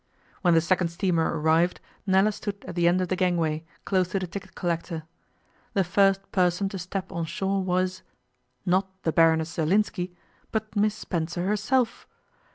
When the second steamer arrived Nella stood at the end of the gangway, close to the ticket collector. The first person to step on shore was not the Baroness Zerlinski, but Miss Spencer herself!